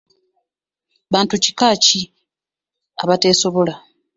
Bantu kika ki abateesobola?